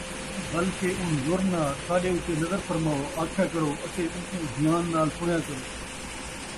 بلکہ اُنظُرنا ساݙے اُتے نظر فرماؤ آکھیا کرو اَتے اُوکوں دھیان نال سُݨیا کرو،